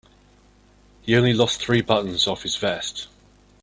He only lost three buttons off his vest.